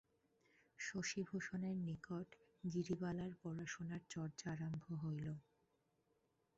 শশিভূষণের নিকট গিরিবালার লেখাপড়ার চর্চা আরম্ভ হইল।